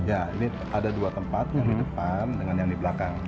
ya ini ada dua tempat yang di depan dengan yang di belakang